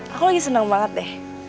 aku lagi senang banget deh